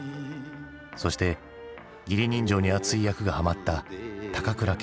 そして義理人情にあつい役がハマった高倉健だ。